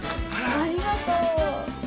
ありがとう！